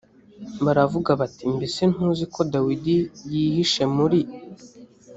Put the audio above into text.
baravuga bati mbese ntuzi ko dawidi yihishe muri